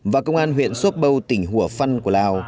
và công an huyện sopbo tỉnh hùa phân của lào